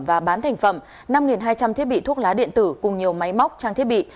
và bán thành phẩm năm hai trăm linh thiết bị thuốc lá điện tử cùng nhiều máy móc trang thiết bị